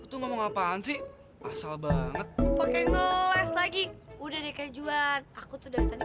itu ngomong apaan sih pasal banget pakai ngeles lagi udah deh kajuan aku tuh dateng